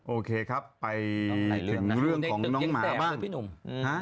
โอเคครับไปถึงเรื่องของน้องหมาบ้าง